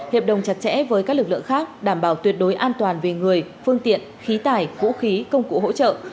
hiệp đồng chặt chẽ với các lực lượng khác đảm bảo tuyệt đối an toàn về người phương tiện khí tải vũ khí công cụ hỗ trợ